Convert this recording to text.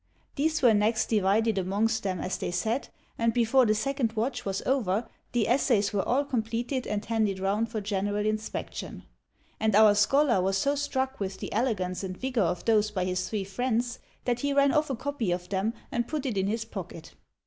These were next divided amongst them as they sat, and before the second watch was over the essays were all completed and handed round for general inspection; and our scholar was so struck with the elegance and vigour of those by his three friends, that he ran off a copy of them and put it in his pocket.